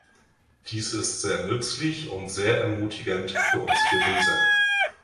Dies ist sehr nützlich und sehr ermutigend für uns gewesen.